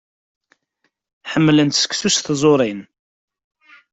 Ḥemmlent seksu s tẓuṛin.